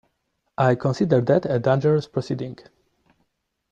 I consider that a dangerous proceeding.